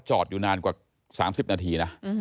จอดอยู่นานกว่า๓๐นาทีนะ